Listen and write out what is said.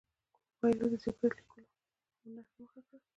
کویلیو د سکرېپټ لیکلو هنر ته مخه کړه.